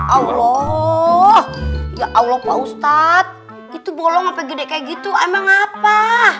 allah ya allah pak ustadz itu bolong apa gede kayak gitu emang apa